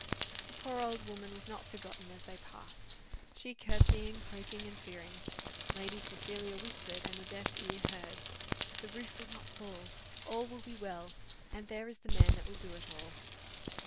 The poor old woman was not forgotten as they passed, she courtesying, hoping, and fearing: Lady Cecilia whispered, and the deaf ear heard. "The roof will not fall all will be well: and there is the man that will do it all."